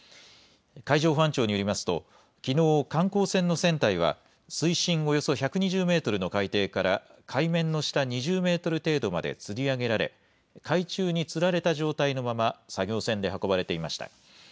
海上保安庁によりますときのう観光船の船体は水深およそ１２０メートルの海底から海面の下２０メートル程度までつり上げられ海中につられた状態のまま作業船で運ばれていました。